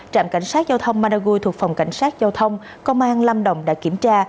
trạm cảnh sát giao thông madagui thuộc phòng cảnh sát giao thông công an lâm đồng đã kiểm tra